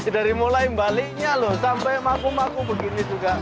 dari mulai baliknya loh sampai maku maku begini juga